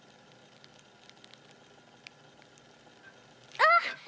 あっ！